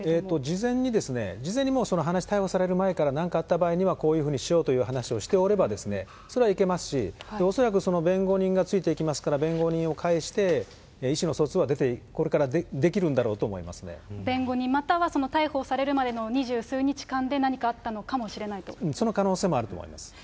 事前に、事前にもうその逮捕される前から、なんかあった場合には、こういうふうにしようという話をしておればそれはいけますし、恐らく、弁護人がついていきますから、弁護人を介して、意思の疎通は、これからできるんだろうと思いま弁護人、またはその逮捕されるまでの二十数日間で何かあったのかもしれなその可能性もあります。